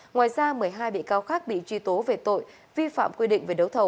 ngoài ra một mươi hai bị cáo khác bị truy tố về tội vi phạm quy định về đấu thầu